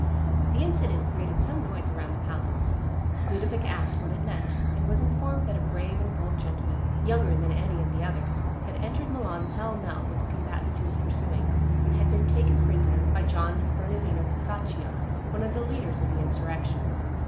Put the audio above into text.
The incident created some noise around the palace; Ludovic asked what it meant, and was informed that a brave and bold gentleman, younger than any of the others, had entered Milan pell mell with the combatants he was pursuing, and had been taken prisoner by John Bernardino Casaccio, one of the leaders of the insurrection.